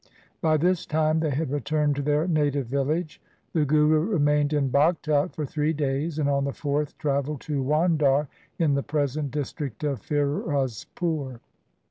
By this time they had returned to their native village. The Guru remained in Bhagta for three days, and on the fourth travelled to Wandar in the present district of Firozpur.